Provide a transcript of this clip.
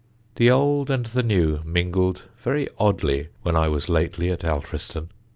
The old and the new mingled very oddly when I was lately at Alfriston.